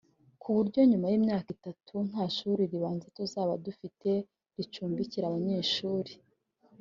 ku buryo nyuma y’imyaka itatu nta shuri ribanza tuzaba dufite ricumbikira abanyeshuri